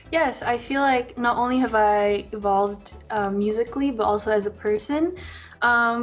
ya saya merasa tidak hanya ber evolusi musiknya tapi juga sebagai orang